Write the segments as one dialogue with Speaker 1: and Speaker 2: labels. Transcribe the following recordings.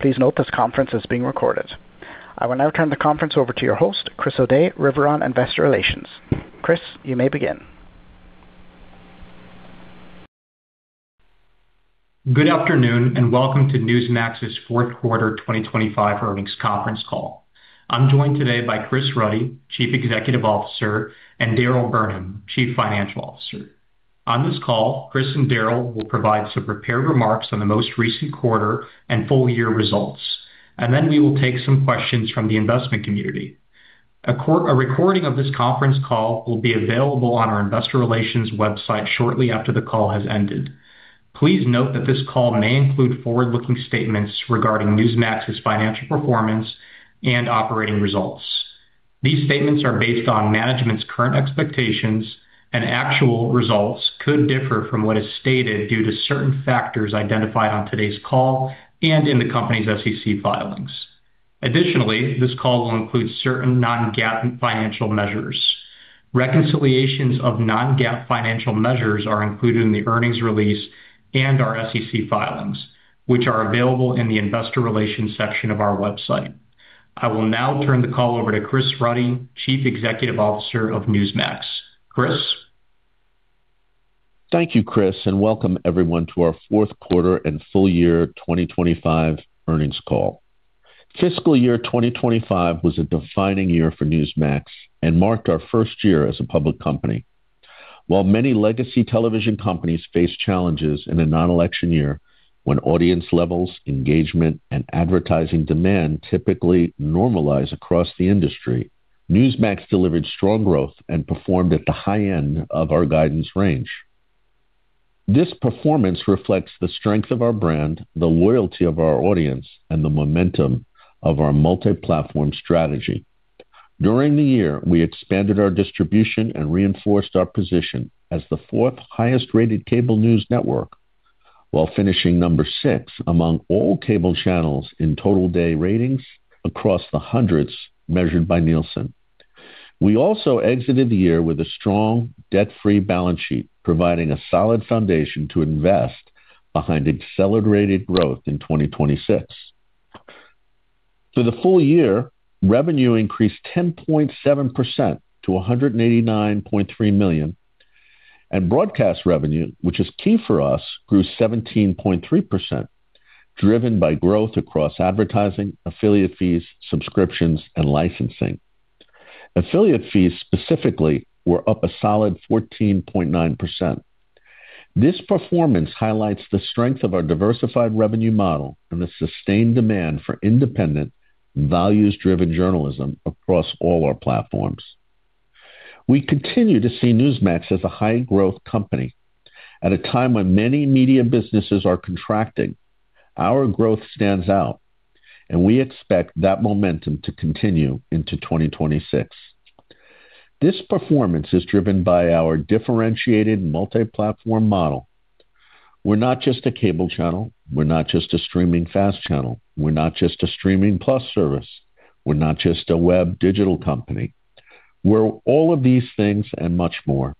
Speaker 1: Please note this conference is being recorded. I will now turn the conference over to your host, Chris Odeh, Riveron Investor Relations. Chris, you may begin.
Speaker 2: Good afternoon and welcome to Newsmax's fourth quarter 2025 earnings conference call. I'm joined today by Chris Ruddy, Chief Executive Officer, and Darryle Burnham, Chief Financial Officer. On this call, Chris and Darryle will provide some prepared remarks on the most recent quarter and full year results, and then we will take some questions from the investment community. A recording of this conference call will be available on our investor relations website shortly after the call has ended. Please note that this call may include forward-looking statements regarding Newsmax's financial performance and operating results. These statements are based on management's current expectations, and actual results could differ from what is stated due to certain factors identified on today's call and in the company's SEC filings. Additionally, this call will include certain non-GAAP financial measures. Reconciliations of non-GAAP financial measures are included in the earnings release and our SEC filings, which are available in the investor relations section of our website. I will now turn the call over to Chris Ruddy, Chief Executive Officer of Newsmax. Chris.
Speaker 3: Thank you, Chris, and welcome everyone to our fourth quarter and full year 2025 earnings call. Fiscal year 2025 was a defining year for Newsmax and marked our first year as a public company. While many legacy television companies face challenges in a non-election year when audience levels, engagement, and advertising demand typically normalize across the industry, Newsmax delivered strong growth and performed at the high end of our guidance range. This performance reflects the strength of our brand, the loyalty of our audience, and the momentum of our multi-platform strategy. During the year, we expanded our distribution and reinforced our position as the fourth highest rated cable news network while finishing number six among all cable channels in total day ratings across the hundreds measured by Nielsen. We also exited the year with a strong debt-free balance sheet, providing a solid foundation to invest behind accelerated growth in 2026. For the full year, revenue increased 10.7% to $189.3 million, and broadcast revenue, which is key for us, grew 17.3%, driven by growth across advertising, affiliate fees, subscriptions, and licensing. Affiliate fees specifically were up a solid 14.9%. This performance highlights the strength of our diversified revenue model and the sustained demand for independent, values-driven journalism across all our platforms. We continue to see Newsmax as a high growth company. At a time when many media businesses are contracting, our growth stands out, and we expect that momentum to continue into 2026. This performance is driven by our differentiated multi-platform model. We're not just a cable channel. We're not just a streaming FAST channel. We're not just a streaming plus service. We're not just a web digital company. We're all of these things and much more.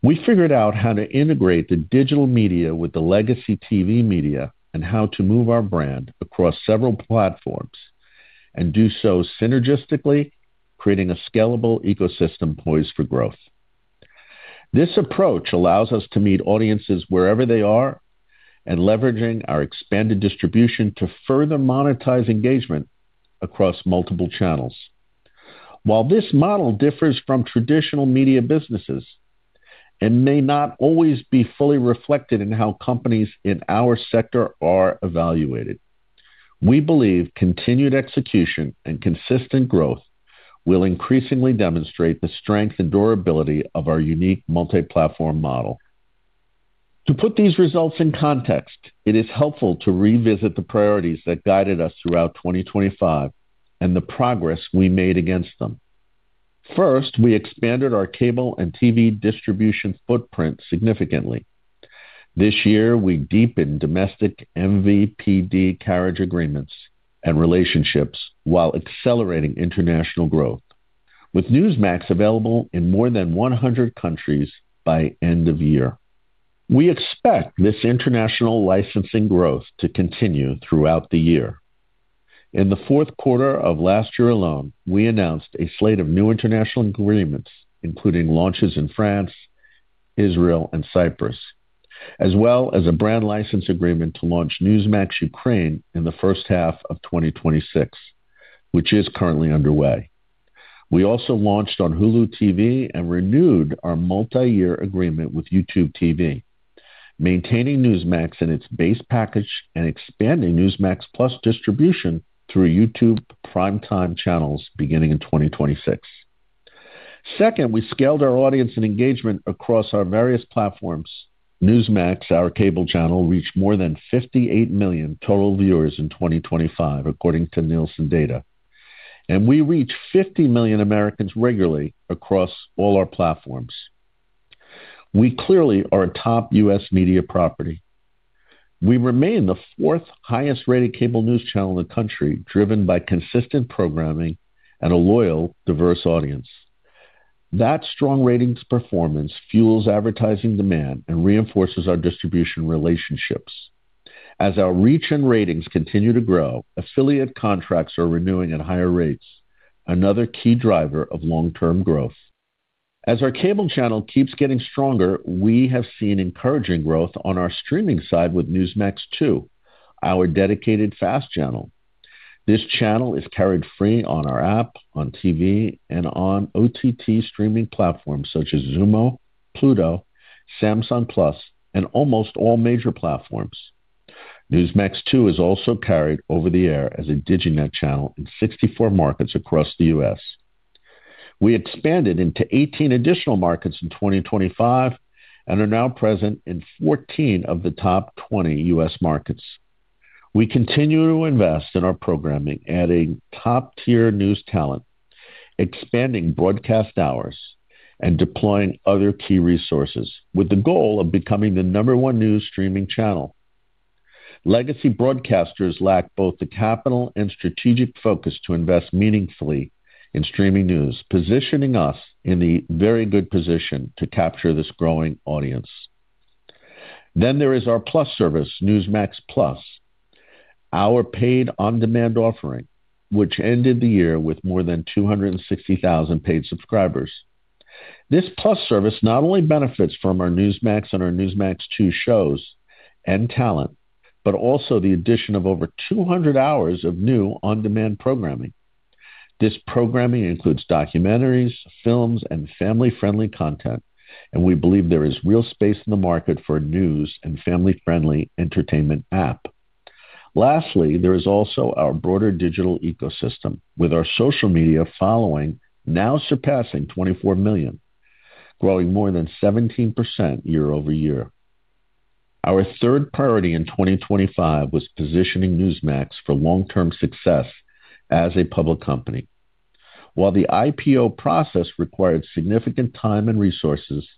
Speaker 3: We figured out how to integrate the digital media with the legacy TV media and how to move our brand across several platforms and do so synergistically, creating a scalable ecosystem poised for growth. This approach allows us to meet audiences wherever they are and leveraging our expanded distribution to further monetize engagement across multiple channels. While this model differs from traditional media businesses and may not always be fully reflected in how companies in our sector are evaluated, we believe continued execution and consistent growth will increasingly demonstrate the strength and durability of our unique multi-platform model. To put these results in context, it is helpful to revisit the priorities that guided us throughout 2025 and the progress we made against them. First, we expanded our cable and TV distribution footprint significantly. This year, we deepened domestic MVPD carriage agreements and relationships while accelerating international growth. With Newsmax available in more than 100 countries by end of year, we expect this international licensing growth to continue throughout the year. In the fourth quarter of last year alone, we announced a slate of new international agreements, including launches in France, Israel, and Cyprus, as well as a brand license agreement to launch Newsmax Ukraine in the first half of 2026, which is currently underway. We also launched on Hulu TV and renewed our multi-year agreement with YouTube TV, maintaining Newsmax in its base package and expanding Newsmax+ distribution through YouTube Primetime Channels beginning in 2026. Second, we scaled our audience and engagement across our various platforms. Newsmax, our cable channel, reached more than 58 million total viewers in 2025, according to Nielsen data. We reach 50 million Americans regularly across all our platforms. We clearly are a top U.S. media property. We remain the fourth highest rated cable news channel in the country, driven by consistent programming and a loyal, diverse audience. That strong ratings performance fuels advertising demand and reinforces our distribution relationships. As our reach and ratings continue to grow, affiliate contracts are renewing at higher rates, another key driver of long-term growth. As our cable channel keeps getting stronger, we have seen encouraging growth on our streaming side with Newsmax2, our dedicated FAST channel. This channel is carried free on our app, on TV, and on OTT streaming platforms such as Xumo, Pluto, Samsung TV Plus, and almost all major platforms. Newsmax2 is also carried over the air as a DigiNet channel in 64 markets across the U.S. We expanded into 18 additional markets in 2025 and are now present in 14 of the top 20 U.S. markets. We continue to invest in our programming, adding top-tier news talent, expanding broadcast hours, and deploying other key resources with the goal of becoming the number one news streaming channel. Legacy broadcasters lack both the capital and strategic focus to invest meaningfully in streaming news, positioning us in a very good position to capture this growing audience. There is our Plus service, Newsmax+, our paid on-demand offering, which ended the year with more than 260,000 paid subscribers. This Plus service not only benefits from our Newsmax and our Newsmax2 shows and talent, but also the addition of over 200 hours of new on-demand programming. This programming includes documentaries, films, and family-friendly content, and we believe there is real space in the market for a news and family-friendly entertainment app. Lastly, there is also our broader digital ecosystem, with our social media following now surpassing 24 million, growing more than 17% year-over-year. Our third priority in 2025 was positioning Newsmax for long-term success as a public company. While the IPO process required significant time and resources,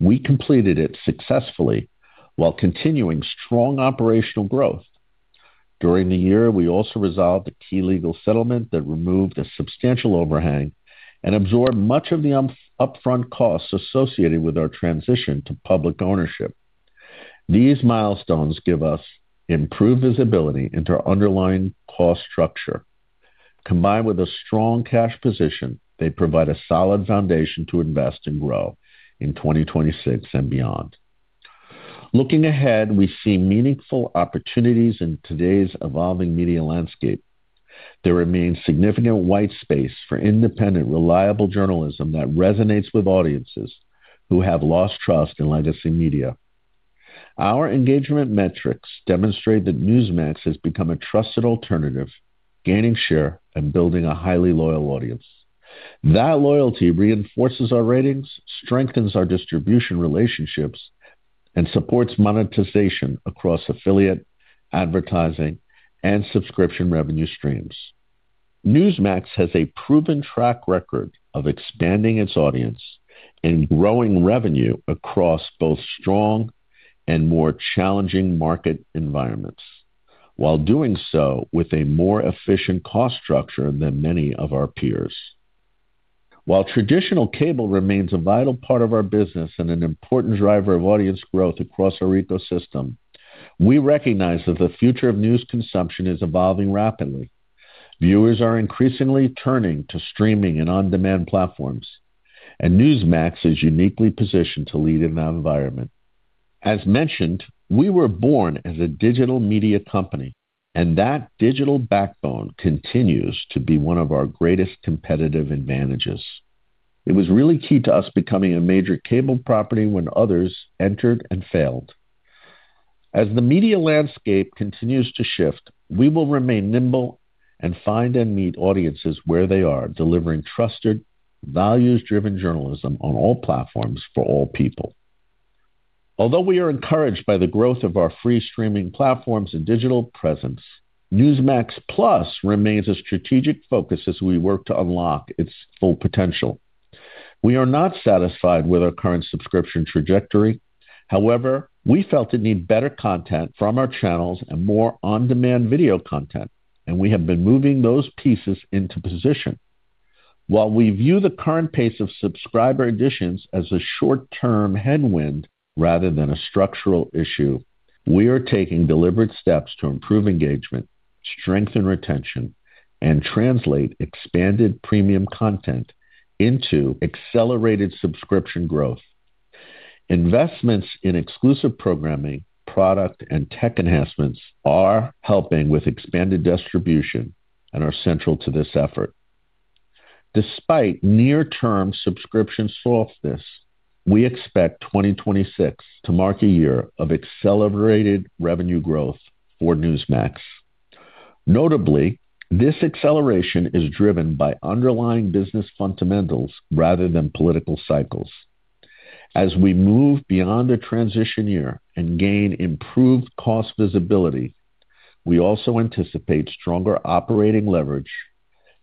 Speaker 3: we completed it successfully while continuing strong operational growth. During the year, we also resolved a key legal settlement that removed a substantial overhang and absorbed much of the upfront costs associated with our transition to public ownership. These milestones give us improved visibility into our underlying cost structure. Combined with a strong cash position, they provide a solid foundation to invest and grow in 2026 and beyond. Looking ahead, we see meaningful opportunities in today's evolving media landscape. There remains significant white space for independent, reliable journalism that resonates with audiences who have lost trust in legacy media. Our engagement metrics demonstrate that Newsmax has become a trusted alternative, gaining share and building a highly loyal audience. That loyalty reinforces our ratings, strengthens our distribution relationships, and supports monetization across affiliate, advertising, and subscription revenue streams. Newsmax has a proven track record of expanding its audience and growing revenue across both strong and more challenging market environments while doing so with a more efficient cost structure than many of our peers. While traditional cable remains a vital part of our business and an important driver of audience growth across our ecosystem, we recognize that the future of news consumption is evolving rapidly. Viewers are increasingly turning to streaming and on-demand platforms, and Newsmax is uniquely positioned to lead in that environment. As mentioned, we were born as a digital media company, and that digital backbone continues to be one of our greatest competitive advantages. It was really key to us becoming a major cable property when others entered and failed. As the media landscape continues to shift, we will remain nimble and find and meet audiences where they are, delivering trusted, values-driven journalism on all platforms for all people. Although we are encouraged by the growth of our free streaming platforms and digital presence, Newsmax+ remains a strategic focus as we work to unlock its full potential. We are not satisfied with our current subscription trajectory. However, we felt it needs better content from our channels and more on-demand video content, and we have been moving those pieces into position. While we view the current pace of subscriber additions as a short-term headwind rather than a structural issue, we are taking deliberate steps to improve engagement, strengthen retention, and translate expanded premium content into accelerated subscription growth. Investments in exclusive programming, product, and tech enhancements are helping with expanded distribution and are central to this effort. Despite near-term subscription softness, we expect 2026 to mark a year of accelerated revenue growth for Newsmax. Notably, this acceleration is driven by underlying business fundamentals rather than political cycles. As we move beyond a transition year and gain improved cost visibility, we also anticipate stronger operating leverage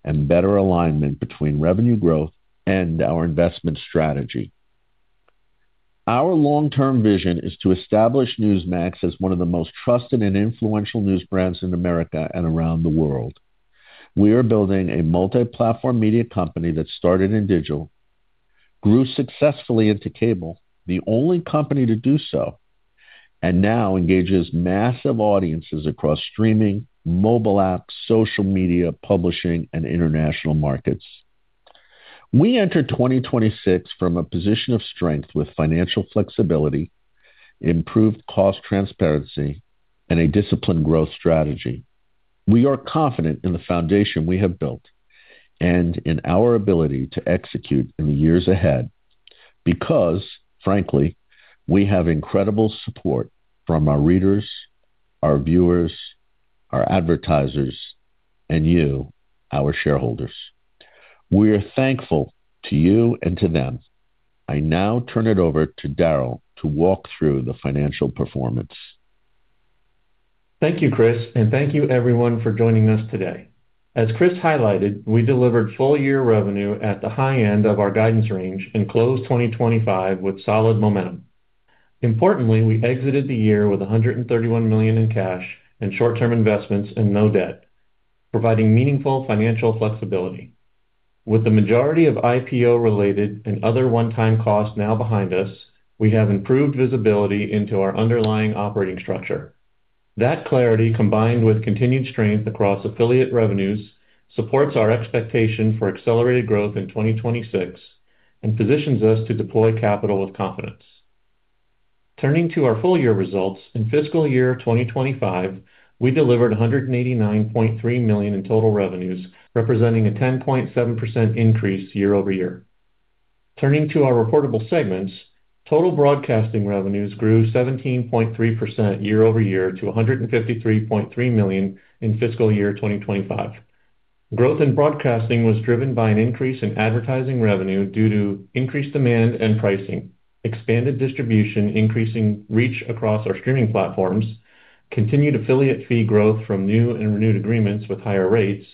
Speaker 3: and better alignment between revenue growth and our investment strategy. Our long-term vision is to establish Newsmax as one of the most trusted and influential news brands in America and around the world. We are building a multi-platform media company that started in digital, grew successfully into cable, the only company to do so, and now engages massive audiences across streaming, mobile apps, social media, publishing, and international markets. We enter 2026 from a position of strength with financial flexibility, improved cost transparency, and a disciplined growth strategy. We are confident in the foundation we have built and in our ability to execute in the years ahead because, frankly, we have incredible support from our readers, our viewers, our advertisers, and you, our shareholders. We are thankful to you and to them. I now turn it over to Darryle to walk through the financial performance.
Speaker 4: Thank you, Chris, and thank you everyone for joining us today. As Chris highlighted, we delivered full-year revenue at the high end of our guidance range and closed 2025 with solid momentum. Importantly, we exited the year with $131 million in cash and short-term investments and no debt, providing meaningful financial flexibility. With the majority of IPO-related and other one-time costs now behind us, we have improved visibility into our underlying operating structure. That clarity, combined with continued strength across affiliate revenues, supports our expectation for accelerated growth in 2026 and positions us to deploy capital with confidence. Turning to our full-year results, in fiscal year 2025, we delivered $189.3 million in total revenues, representing a 10.7% increase year-over-year. Turning to our reportable segments, total broadcasting revenues grew 17.3% year-over-year to $153.3 million in fiscal year 2025. Growth in broadcasting was driven by an increase in advertising revenue due to increased demand and pricing, expanded distribution increasing reach across our streaming platforms, continued affiliate fee growth from new and renewed agreements with higher rates,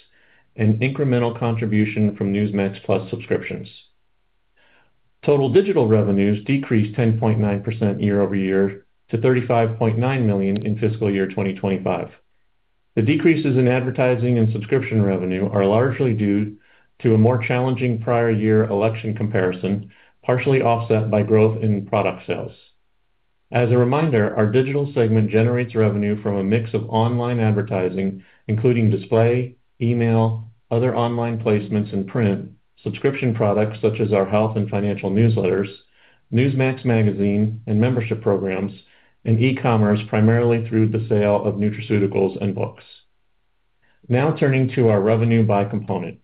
Speaker 4: and incremental contribution from Newsmax+ subscriptions. Total digital revenues decreased 10.9% year-over-year to $35.9 million in fiscal year 2025. The decreases in advertising and subscription revenue are largely due to a more challenging prior year election comparison, partially offset by growth in product sales. As a reminder, our digital segment generates revenue from a mix of online advertising, including display, email, other online placements in print, subscription products such as our health and financial newsletters, Newsmax Magazine and membership programs, and e-commerce, primarily through the sale of nutraceuticals and books. Now turning to our revenue by component.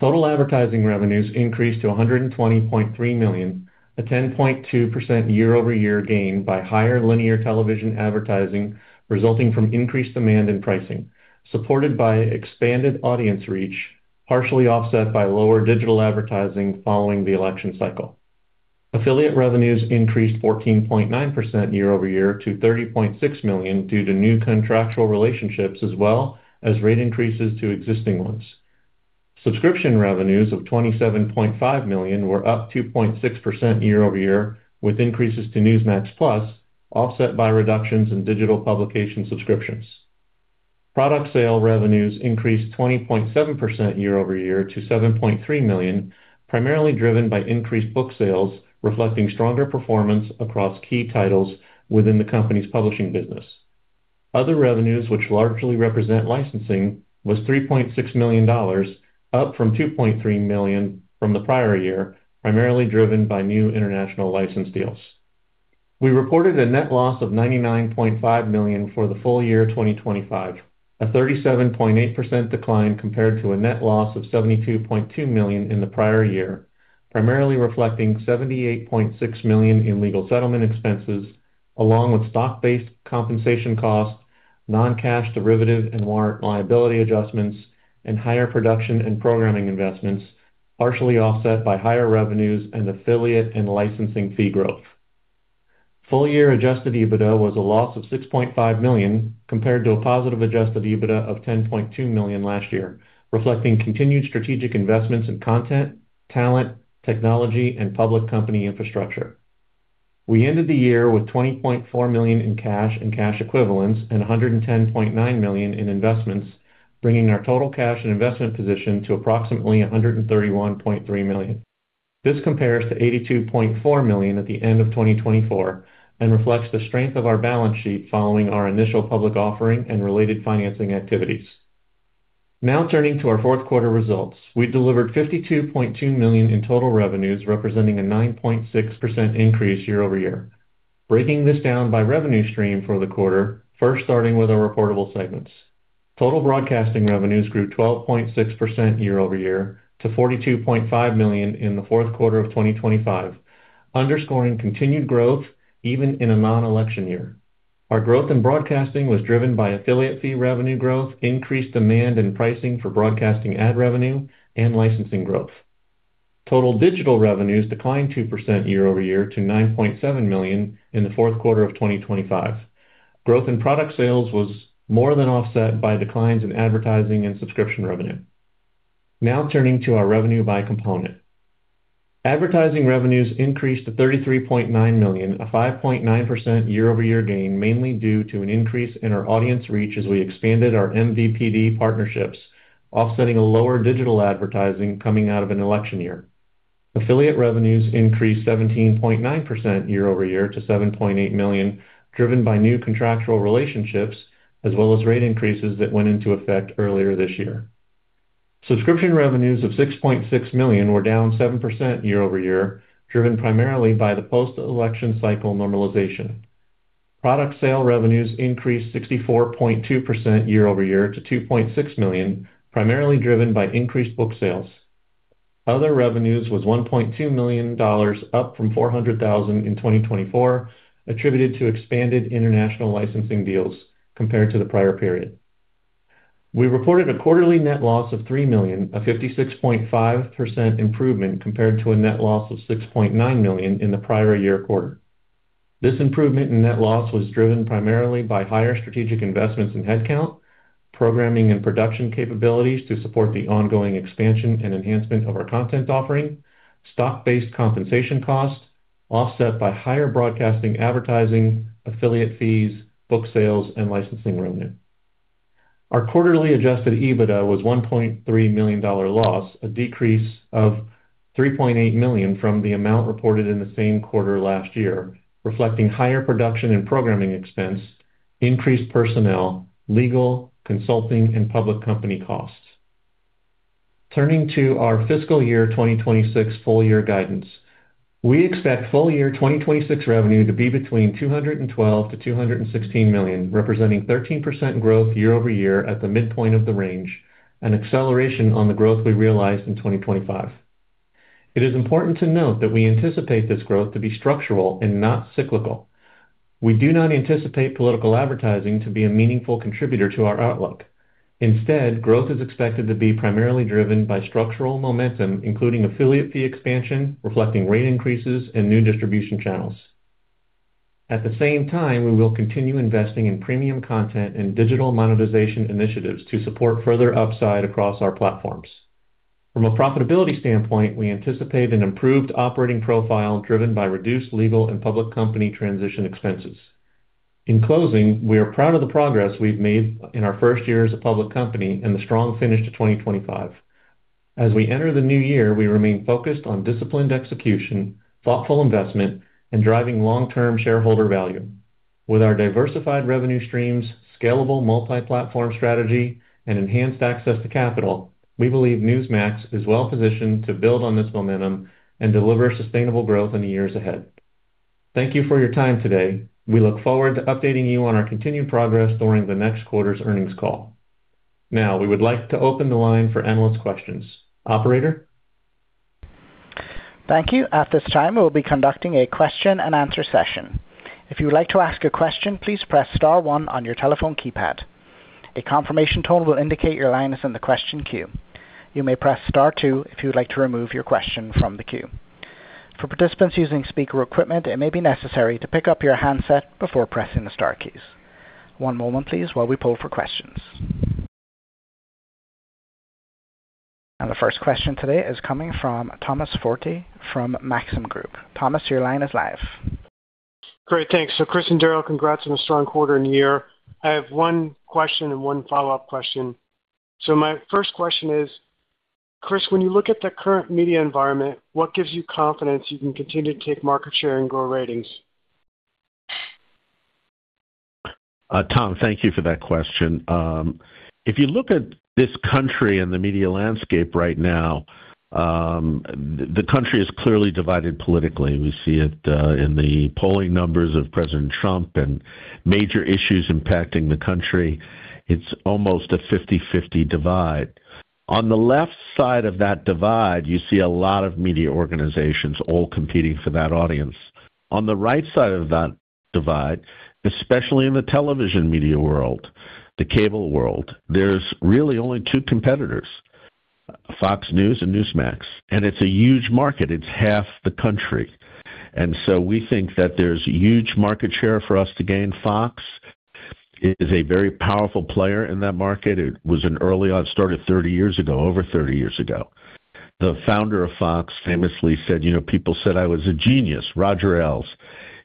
Speaker 4: Total advertising revenues increased to $120.3 million, a 10.2% year-over-year gain by higher linear television advertising resulting from increased demand and pricing, supported by expanded audience reach, partially offset by lower digital advertising following the election cycle. Affiliate revenues increased 14.9% year-over-year to $30.6 million due to new contractual relationships as well as rate increases to existing ones. Subscription revenues of $27.5 million were up 2.6% year-over-year, with increases to Newsmax+ offset by reductions in digital publication subscriptions. Product sale revenues increased 20.7% year-over-year to $7.3 million, primarily driven by increased book sales, reflecting stronger performance across key titles within the company's publishing business. Other revenues which largely represent licensing was $3.6 million, up from $2.3 million from the prior year, primarily driven by new international license deals. We reported a net loss of $99.5 million for the full year 2025, a 37.8% decline compared to a net loss of $72.2 million in the prior year, primarily reflecting $78.6 million in legal settlement expenses along with stock-based compensation costs, non-cash derivative and warrant liability adjustments, and higher production and programming investments, partially offset by higher revenues and affiliate and licensing fee growth. Full year adjusted EBITDA was a loss of $6.5 million, compared to a positive adjusted EBITDA of $10.2 million last year, reflecting continued strategic investments in content, talent, technology, and public company infrastructure. We ended the year with $20.4 million in cash and cash equivalents and $110.9 million in investments, bringing our total cash and investment position to approximately $131.3 million. This compares to $82.4 million at the end of 2024 and reflects the strength of our balance sheet following our initial public offering and related financing activities. Now turning to our fourth quarter results. We delivered $52.2 million in total revenues, representing a 9.6% increase year-over-year. Breaking this down by revenue stream for the quarter, first starting with our reportable segments. Total broadcasting revenues grew 12.6% year-over-year to $42.5 million in the fourth quarter of 2025, underscoring continued growth even in a non-election year. Our growth in broadcasting was driven by affiliate fee revenue growth, increased demand and pricing for broadcasting ad revenue, and licensing growth. Total digital revenues declined 2% year-over-year to $9.7 million in the fourth quarter of 2025. Growth in product sales was more than offset by declines in advertising and subscription revenue. Now turning to our revenue by component. Advertising revenues increased to $33.9 million, a 5.9% year-over-year gain, mainly due to an increase in our audience reach as we expanded our MVPD partnerships, offsetting a lower digital advertising coming out of an election year. Affiliate revenues increased 17.9% year-over-year to $7.8 million, driven by new contractual relationships as well as rate increases that went into effect earlier this year. Subscription revenues of $6.6 million were down 7% year-over-year, driven primarily by the post-election cycle normalization. Product sale revenues increased 64.2% year-over-year to $2.6 million, primarily driven by increased book sales. Other revenues was $1.2 million, up from $400,000 in 2024, attributed to expanded international licensing deals compared to the prior period. We reported a quarterly net loss of $3 million, a 56.5% improvement compared to a net loss of $6.9 million in the prior year quarter. This improvement in net loss was driven primarily by higher strategic investments in headcount, programming and production capabilities to support the ongoing expansion and enhancement of our content offering, stock-based compensation costs, offset by higher broadcasting advertising, affiliate fees, book sales, and licensing revenue. Our quarterly adjusted EBITDA was $1.3 million loss, a decrease of $3.8 million from the amount reported in the same quarter last year, reflecting higher production and programming expense, increased personnel, legal, consulting and public company costs. Turning to our fiscal year 2026 full-year guidance. We expect full-year 2026 revenue to be between $212 million-$216 million, representing 13% growth year-over-year at the midpoint of the range, an acceleration of the growth we realized in 2025. It is important to note that we anticipate this growth to be structural and not cyclical. We do not anticipate political advertising to be a meaningful contributor to our outlook. Instead, growth is expected to be primarily driven by structural momentum, including affiliate fee expansion, reflecting rate increases and new distribution channels. At the same time, we will continue investing in premium content and digital monetization initiatives to support further upside across our platforms. From a profitability standpoint, we anticipate an improved operating profile driven by reduced legal and public company transition expenses. In closing, we are proud of the progress we've made in our first year as a public company and the strong finish to 2025. As we enter the new year, we remain focused on disciplined execution, thoughtful investment, and driving long-term shareholder value. With our diversified revenue streams, scalable multi-platform strategy, and enhanced access to capital, we believe Newsmax is well-positioned to build on this momentum and deliver sustainable growth in the years ahead. Thank you for your time today. We look forward to updating you on our continued progress during the next quarter's earnings call. Now, we would like to open the line for analyst questions. Operator.
Speaker 1: Thank you. At this time, we will be conducting a question and answer session. If you would like to ask a question, please press star one on your telephone keypad. A confirmation tone will indicate your line is in the question queue. You may press star two if you would like to remove your question from the queue. For participants using speaker equipment, it may be necessary to pick up your handset before pressing the star keys. One moment please while we poll for questions. The first question today is coming from Thomas Forte from Maxim Group. Thomas, your line is live.
Speaker 5: Great, thanks. Chris and Darryl, congrats on a strong quarter and year. I have one question and one follow-up question. My first question is, Chris, when you look at the current media environment, what gives you confidence you can continue to take market share and grow ratings?
Speaker 3: Tom, thank you for that question. If you look at this country and the media landscape right now, the country is clearly divided politically. We see it in the polling numbers of President Trump and major issues impacting the country. It's almost a 50/50 divide. On the left side of that divide, you see a lot of media organizations all competing for that audience. On the right side of that divide, especially in the television media world, the cable world, there's really only two competitors, Fox News and Newsmax. It's a huge market. It's half the country. We think that there's huge market share for us to gain. Fox is a very powerful player in that market. It was an early on start at 30 years ago, over 30 years ago. The founder of Fox famously said, you know, "People said I was a genius," Roger Ailes.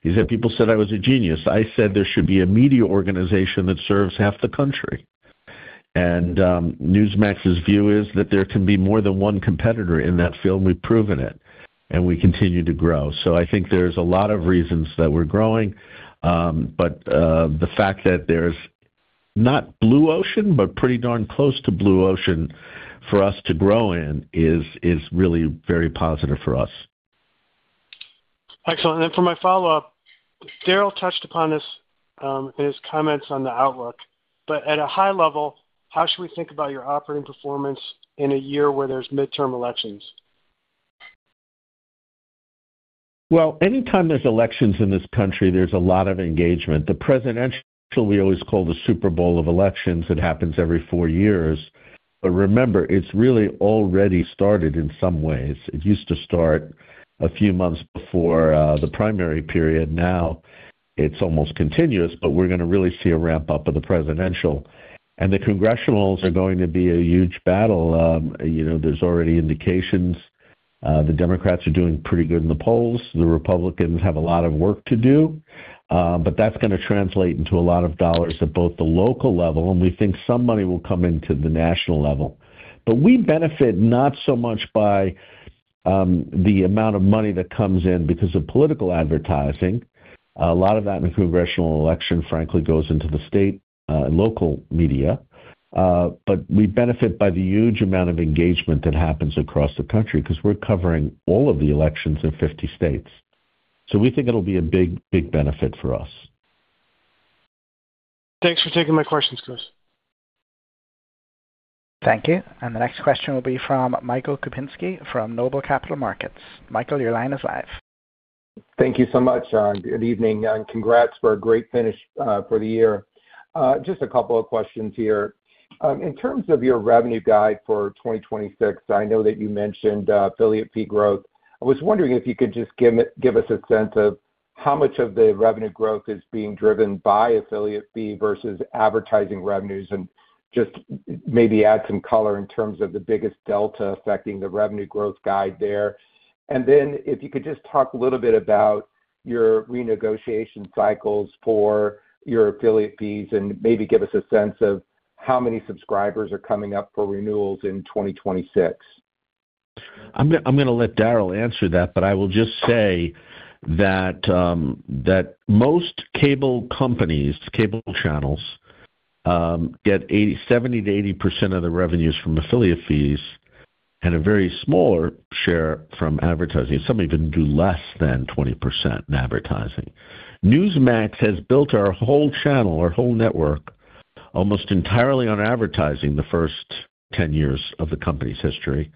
Speaker 3: He said, "People said I was a genius. I said there should be a media organization that serves half the country." Newsmax's view is that there can be more than one competitor in that field. We've proven it, and we continue to grow. I think there's a lot of reasons that we're growing, but the fact that there's not blue ocean, but pretty darn close to blue ocean for us to grow in is really very positive for us.
Speaker 5: Excellent. Then for my follow-up, Darryle touched upon this in his comments on the outlook. At a high level, how should we think about your operating performance in a year where there's midterm elections?
Speaker 3: Well, anytime there's elections in this country, there's a lot of engagement. The presidential Which we always call the Super Bowl of elections. It happens every four years. Remember, it's really already started in some ways. It used to start a few months before the primary period. Now it's almost continuous, but we're gonna really see a ramp-up of the presidential. The congressional are going to be a huge battle. You know, there's already indications, the Democrats are doing pretty good in the polls. The Republicans have a lot of work to do, but that's gonna translate into a lot of dollars at both the local level, and we think some money will come into the national level. We benefit not so much by the amount of money that comes in because of political advertising. A lot of that congressional election, frankly, goes into the state, local media. We benefit by the huge amount of engagement that happens across the country because we're covering all of the elections in 50 states. We think it'll be a big, big benefit for us.
Speaker 5: Thanks for taking my questions, Chris.
Speaker 1: Thank you. The next question will be from Michael Kupinski from Noble Capital Markets. Michael, your line is live.
Speaker 6: Thank you so much. Good evening and congrats for a great finish for the year. Just a couple of questions here. In terms of your revenue guide for 2026, I know that you mentioned affiliate fee growth. I was wondering if you could just give us a sense of how much of the revenue growth is being driven by affiliate fee versus advertising revenues and just maybe add some color in terms of the biggest delta affecting the revenue growth guide there. Then if you could just talk a little bit about your renegotiation cycles for your affiliate fees and maybe give us a sense of how many subscribers are coming up for renewals in 2026.
Speaker 3: I'm gonna let Darryl answer that, but I will just say that most cable companies, cable channels, get 70%-80% of their revenues from affiliate fees and a very smaller share from advertising. Some even do less than 20% in advertising. Newsmax has built our whole channel, our whole network, almost entirely on advertising the first 10 years of the company's history.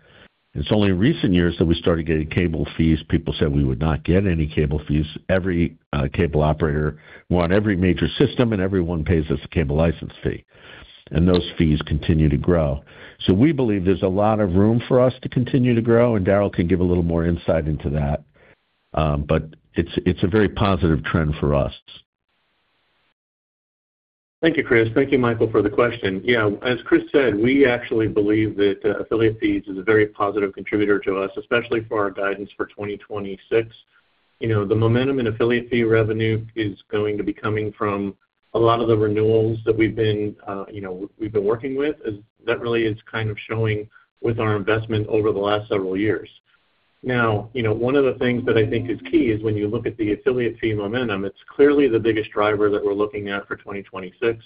Speaker 3: It's only in recent years that we started getting cable fees. People said we would not get any cable fees. Every cable operator, we're on every major system, and everyone pays us a cable license fee, and those fees continue to grow. We believe there's a lot of room for us to continue to grow, and Darryl can give a little more insight into that. But it's a very positive trend for us.
Speaker 4: Thank you, Chris. Thank you, Michael, for the question. Yeah, as Chris said, we actually believe that affiliate fees is a very positive contributor to us, especially for our guidance for 2026. You know, the momentum in affiliate fee revenue is going to be coming from a lot of the renewals that we've been, you know, we've been working with. That really is kind of showing with our investment over the last several years. Now, you know, one of the things that I think is key is when you look at the affiliate fee momentum, it's clearly the biggest driver that we're looking at for 2026.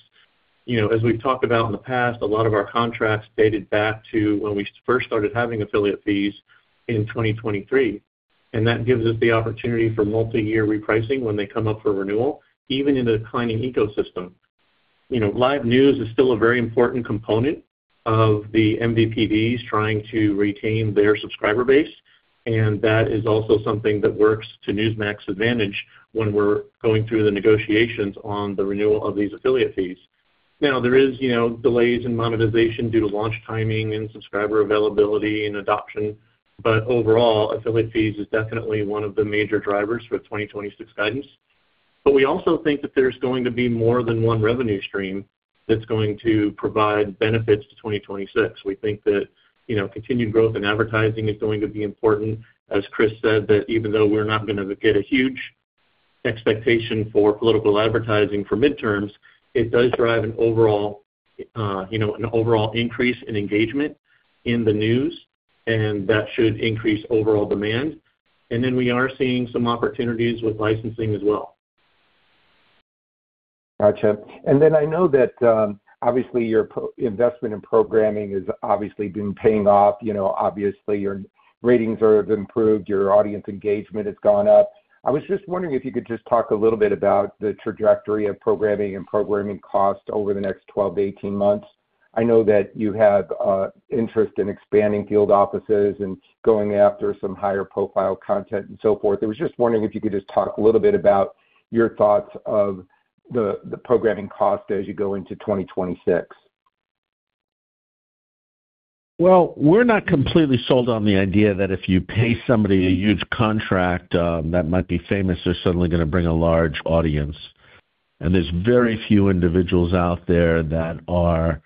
Speaker 4: You know, as we've talked about in the past, a lot of our contracts dated back to when we first started having affiliate fees in 2023, and that gives us the opportunity for multi-year repricing when they come up for renewal, even in a declining ecosystem. You know, live news is still a very important component of the MVPDs trying to retain their subscriber base, and that is also something that works to Newsmax advantage when we're going through the negotiations on the renewal of these affiliate fees. Now, there is, you know, delays in monetization due to launch timing and subscriber availability and adoption. Overall, affiliate fees is definitely one of the major drivers for 2026 guidance. We also think that there's going to be more than one revenue stream that's going to provide benefits to 2026. We think that, you know, continued growth in advertising is going to be important. As Chris said, that even though we're not gonna get a huge expectation for political advertising for midterms, it does drive an overall, you know, increase in engagement in the news, and that should increase overall demand. We are seeing some opportunities with licensing as well.
Speaker 6: Gotcha. I know that obviously your investment in programming has obviously been paying off. You know, obviously your ratings have improved, your audience engagement has gone up. I was just wondering if you could just talk a little bit about the trajectory of programming and programming costs over the next 12-18 months. I know that you have interest in expanding field offices and going after some higher profile content and so forth. I was just wondering if you could just talk a little bit about your thoughts of the programming cost as you go into 2026.
Speaker 3: Well, we're not completely sold on the idea that if you pay somebody a huge contract, that might be famous, they're suddenly gonna bring a large audience. There's very few individuals out there that are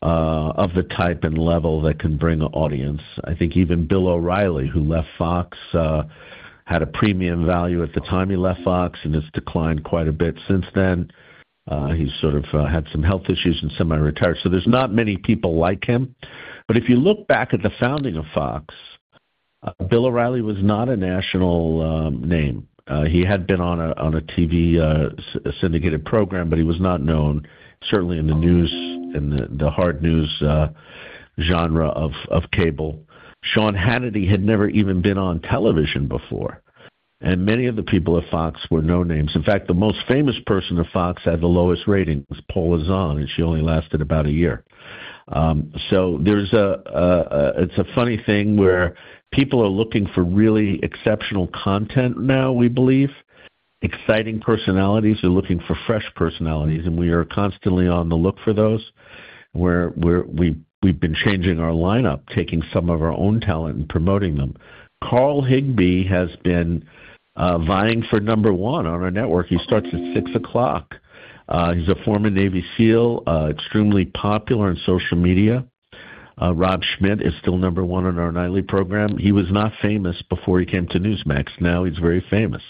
Speaker 3: of the type and level that can bring an audience. I think even Bill O'Reilly, who left Fox, had a premium value at the time he left Fox, and it's declined quite a bit since then. He's sort of had some health issues and semi-retired, so there's not many people like him. If you look back at the founding of Fox, Bill O'Reilly was not a national name. He had been on a TV syndicated program, but he was not known certainly in the news in the hard news genre of cable. Sean Hannity had never even been on television before. Many of the people at Fox were no-names. In fact, the most famous person at Fox had the lowest ratings, was Paula Zahn, and she only lasted about a year. So it's a funny thing where people are looking for really exceptional content now, we believe. Exciting personalities. They're looking for fresh personalities, and we are constantly on the lookout for those, where we've been changing our lineup, taking some of our own talent and promoting them. Carl Higbie has been vying for number one on our network. He starts at 6:00. He's a former Navy SEAL, extremely popular on social media. Rob Schmitt is still number one on our nightly program. He was not famous before he came to Newsmax. Now he's very famous.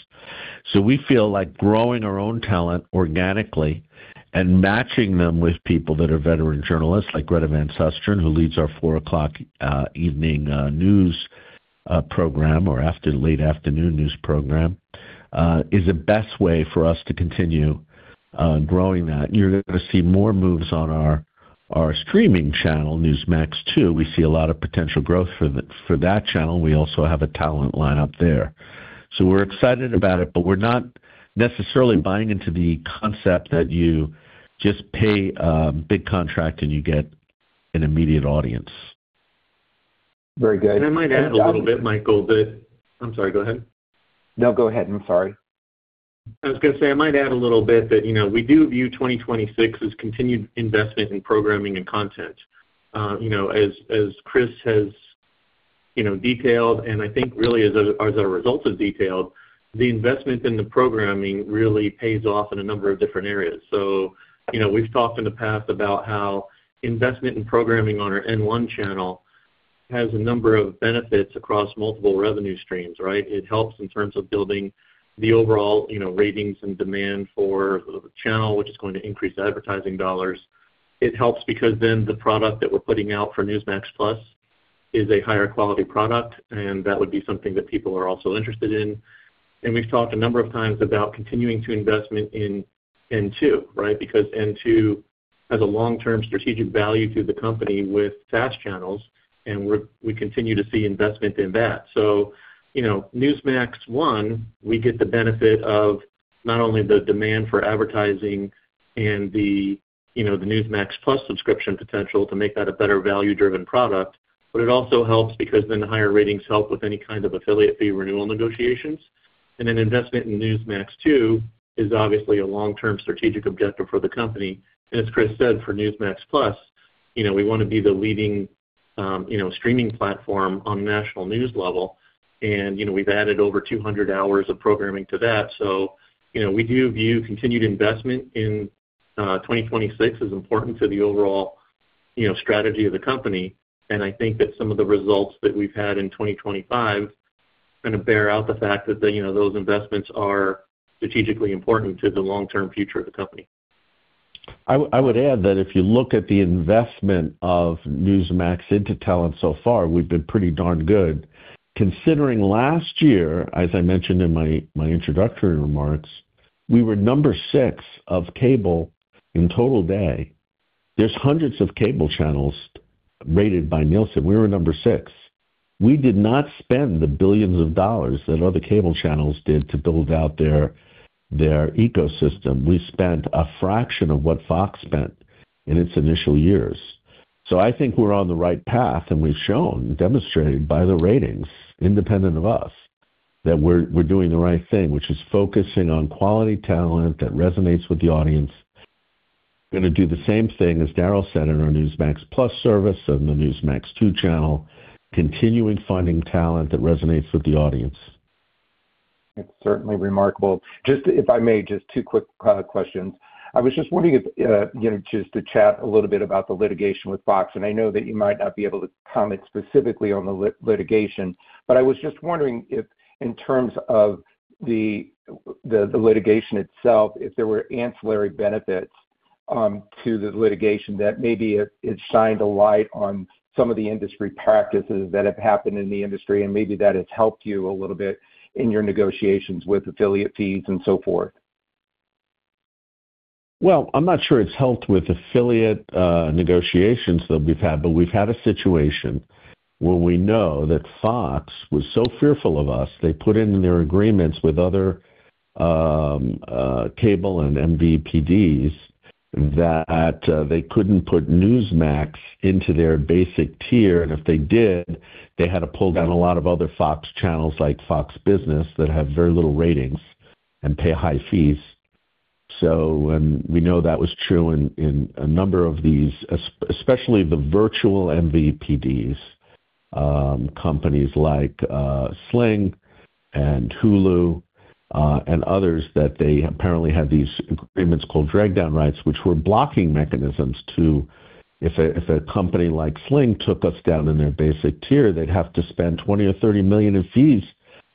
Speaker 3: We feel like growing our own talent organically and matching them with people that are veteran journalists, like Greta Van Susteren, who leads our 4:00 P.M. evening news program or late afternoon news program is the best way for us to continue growing that. You're gonna see more moves on our streaming channel, Newsmax2. We see a lot of potential growth for that channel. We also have a talent lineup there. We're excited about it, but we're not necessarily buying into the concept that you just pay a big contract and you get an immediate audience.
Speaker 6: Very good.
Speaker 4: I'm sorry. Go ahead.
Speaker 6: No, go ahead. I'm sorry.
Speaker 4: I was gonna say, I might add a little bit that, you know, we do view 2026 as continued investment in programming and content. You know, as Chris has detailed, and I think really as a result, the investment in the programming really pays off in a number of different areas. You know, we've talked in the past about how investment in programming on our N1 channel has a number of benefits across multiple revenue streams, right? It helps in terms of building the overall, you know, ratings and demand for the channel, which is going to increase advertising dollars. It helps because then the product that we're putting out for Newsmax+ is a higher quality product, and that would be something that people are also interested in. We've talked a number of times about continuing to invest in N2, right? Because N2 has a long-term strategic value to the company with FAST channels, and we continue to see investment in that. You know, Newsmax1, we get the benefit of not only the demand for advertising and the, you know, the Newsmax+ subscription potential to make that a better value-driven product, but it also helps because then the higher ratings help with any kind of affiliate fee renewal negotiations. An investment in Newsmax2 is obviously a long-term strategic objective for the company. As Chris said, for Newsmax+, you know, we wanna be the leading, you know, streaming platform on national news level. You know, we've added over 200 hours of programming to that. You know, we do view continued investment in 2026 as important to the overall, you know, strategy of the company. I think that some of the results that we've had in 2025 kinda bear out the fact that the, you know, those investments are strategically important to the long-term future of the company.
Speaker 3: I would add that if you look at the investment of Newsmax into talent so far, we've been pretty darn good. Considering last year, as I mentioned in my introductory remarks, we were number six of cable in total day. There's hundreds of cable channels rated by Nielsen. We were number six. We did not spend the billions of dollars that other cable channels did to build out their ecosystem. We spent a fraction of what Fox spent in its initial years. I think we're on the right path, and we've shown, demonstrated by the ratings, independent of us, that we're doing the right thing, which is focusing on quality talent that resonates with the audience. Gonna do the same thing, as Darryl said, in our Newsmax+ service and the Newsmax2 channel, continuing finding talent that resonates with the audience.
Speaker 6: It's certainly remarkable. Just if I may, just two quick questions. I was just wondering if, you know, just to chat a little bit about the litigation with Fox. I know that you might not be able to comment specifically on the litigation. I was just wondering if in terms of the litigation itself, if there were ancillary benefits to the litigation that maybe it shined a light on some of the industry practices that have happened in the industry, and maybe that has helped you a little bit in your negotiations with affiliate fees and so forth.
Speaker 3: Well, I'm not sure it's helped with affiliate negotiations that we've had, but we've had a situation where we know that Fox was so fearful of us, they put in their agreements with other cable and MVPDs that they couldn't put Newsmax into their basic tier, and if they did, they had to pull down a lot of other Fox channels like Fox Business that have very little ratings and pay high fees. We know that was true in a number of these, especially the virtual MVPDs, companies like Sling and Hulu and others that they apparently had these agreements called drag-along rights, which were blocking mechanisms to if a company like Sling took us down in their basic tier, they'd have to spend $20 million or $30 million in fees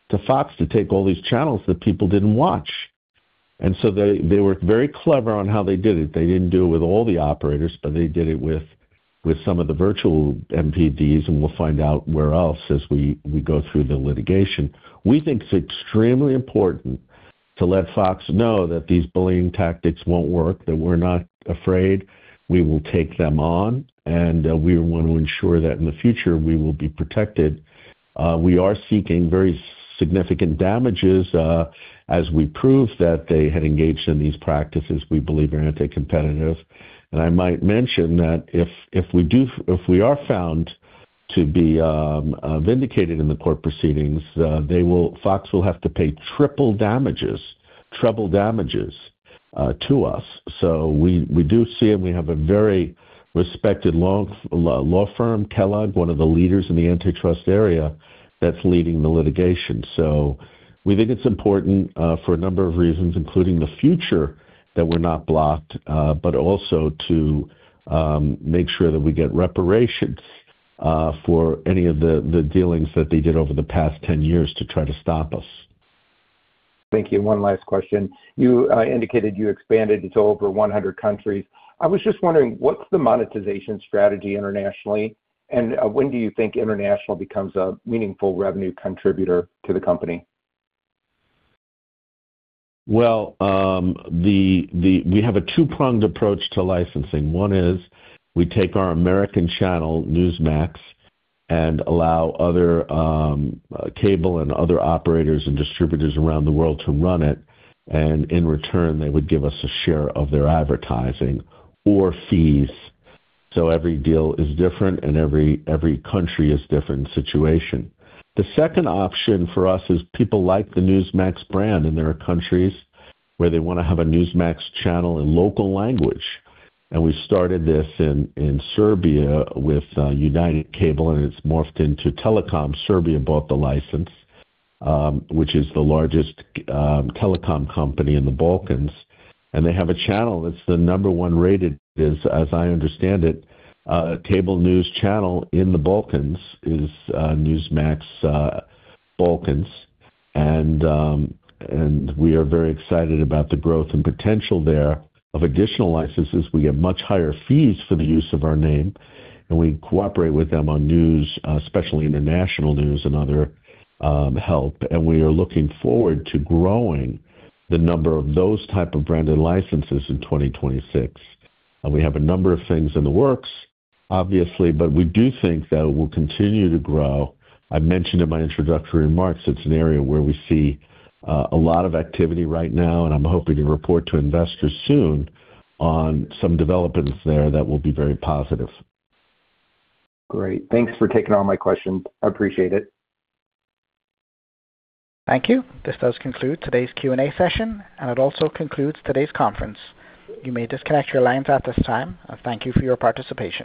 Speaker 3: to Fox to take all these channels that people didn't watch. They were very clever on how they did it. They didn't do it with all the operators, but they did it with some of the virtual MVPDs, and we'll find out where else as we go through the litigation. We think it's extremely important to let Fox know that these bullying tactics won't work, that we're not afraid, we will take them on, and we want to ensure that in the future we will be protected. We are seeking very significant damages as we prove that they had engaged in these practices we believe are anti-competitive. I might mention that if we are found to be vindicated in the court proceedings, Fox will have to pay triple damages, treble damages, to us. We do see them. We have a very respected law firm, Kellogg, one of the leaders in the antitrust area, that's leading the litigation. We think it's important for a number of reasons, including the future, that we're not blocked, but also to make sure that we get reparations for any of the dealings that they did over the past 10 years to try to stop us.
Speaker 6: Thank you. One last question. You indicated you expanded into over 100 countries. I was just wondering, what's the monetization strategy internationally? When do you think international becomes a meaningful revenue contributor to the company?
Speaker 3: Well, we have a two-pronged approach to licensing. One is we take our American channel, Newsmax, and allow other cable and other operators and distributors around the world to run it, and in return, they would give us a share of their advertising or fees. Every deal is different and every country is different situation. The second option for us is people like the Newsmax brand, and there are countries where they wanna have a Newsmax channel in local language. We started this in Serbia with United Group, and it's morphed into Telekom Srbija bought the license, which is the largest telecom company in the Balkans, and they have a channel that's the number one rated, as I understand it, cable news channel in the Balkans is Newsmax Balkans. We are very excited about the growth and potential there of additional licenses. We get much higher fees for the use of our name, and we cooperate with them on news, especially international news and other help. We are looking forward to growing the number of those type of branded licenses in 2026. We have a number of things in the works, obviously, but we do think that it will continue to grow. I mentioned in my introductory remarks, it's an area where we see a lot of activity right now, and I'm hoping to report to investors soon on some developments there that will be very positive.
Speaker 6: Great. Thanks for taking all my questions. I appreciate it.
Speaker 1: Thank you. This does conclude today's Q&A session, and it also concludes today's conference. You may disconnect your lines at this time. Thank you for your participation.